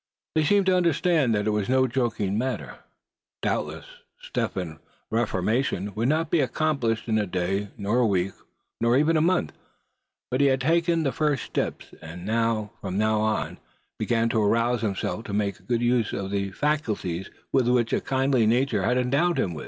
They seemed to understand that it was no joking matter. Doubtless Step Hen's reformation would not be accomplished in a day, nor a week, nor even a month; but he had taken the first step, and from now on must begin to arouse himself to making a good use of the faculties with which a kindly Nature had endowed him.